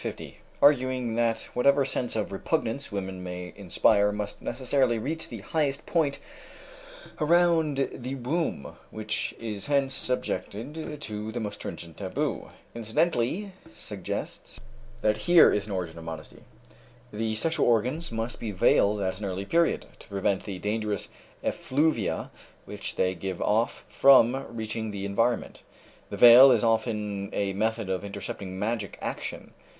50), arguing that whatever sense of repugnance women may inspire must necessarily reach the highest point around the womb, which is hence subjected to the most stringent taboo, incidentally suggests that here is an origin of modesty. "The sexual organs must be veiled at an early period, to prevent the dangerous effluvia which they give off from reaching the environment. The veil is often a method of intercepting magic action.